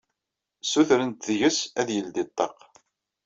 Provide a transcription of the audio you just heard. Sutrent deg-s ad yeldi ṭṭaq.